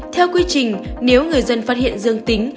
theo quy trình nếu người dân phát hiện dương tính